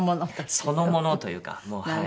そのものというかはい。